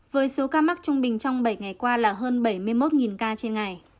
với số ca mắc trung bình trong bảy ngày qua là hơn bảy mươi một ca trên ngày